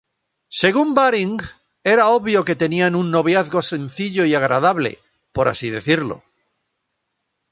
Según Baring, "era obvio que tenían un noviazgo sencillo y agradable, por así decirlo".